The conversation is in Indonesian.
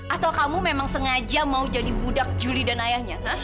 atau kamu memang sengaja mau jadi budak juli dan ayahnya